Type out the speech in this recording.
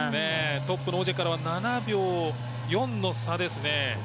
トップのオジエからは７秒４の差ですね。